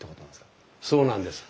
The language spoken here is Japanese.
そうなんです。